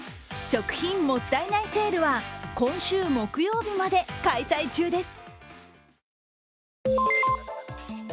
食品もったいないセールは今週木曜日まで開催中です。